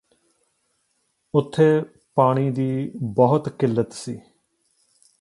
ਉਥੇ ਪਾਣੀ ਦੀ ਬਹੁਤ ਕਿੱਲਤ ਸੀ